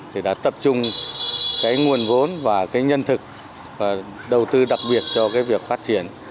thì đã tập trung cái nguồn vốn và cái nhân thực và đầu tư đặc biệt cho cái việc phát triển